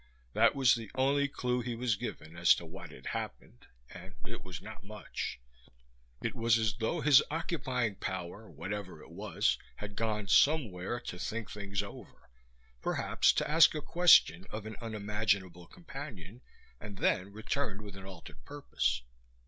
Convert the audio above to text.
That was the only clue he was given as to what had happened and it was not much. It was as though his occupying power, whatever it was, had gone somewhere to think things over, perhaps to ask a question of an unimaginable companion, and then returned with an altered purpose.